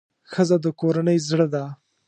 ښځه د کورنۍ زړه ده.